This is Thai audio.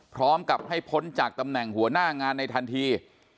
พร้อมกับให้พ้นจากตำแหน่งหัวหน้างานในทันที